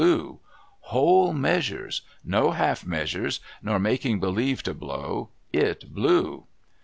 Whole measures ! No half measures, nor making believe to blow ; it blew